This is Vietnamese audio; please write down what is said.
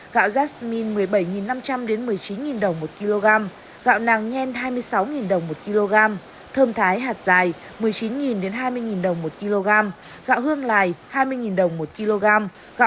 gạo jasmine một mươi bảy năm trăm linh một mươi chín đồng một kg gạo nàng nhen hai mươi sáu đồng một kg